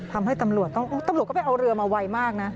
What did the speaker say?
ทำให้ตำรวจต้องตำรวจก็ไปเอาเรือมาไวมากนะ